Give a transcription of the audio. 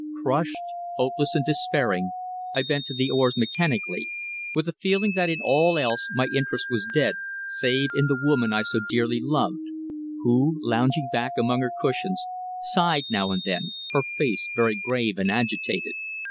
Crushed, hopeless and despairing, I bent to the oars mechanically, with the feeling that in all else my interest was dead, save in the woman I so dearly loved, who, lounging back among her cushions, sighed now and then, her face very grave and agitated.